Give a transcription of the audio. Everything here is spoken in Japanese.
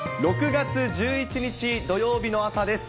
６月１１日土曜日の朝です。